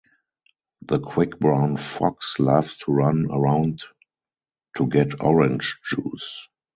The quick brown fox loves to run around to get orange juice.